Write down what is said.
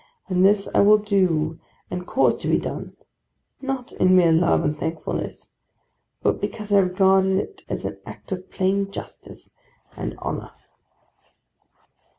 And this I will do and cause to be done, not in mere love and thankfulness, but because I regard it as an act of plain justice and honour.